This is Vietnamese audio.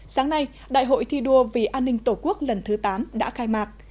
sáng nay đại hội thi đua vì an ninh tổ quốc lần thứ tám đã khai mạc